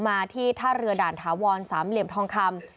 มาที่ท่าเรือด่านถาวรสามเหลี่ยมทองคำ